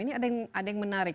ini ada yang menarik